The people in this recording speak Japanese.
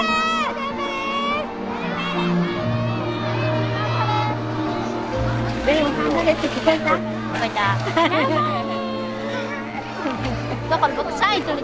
「頑張れ！」。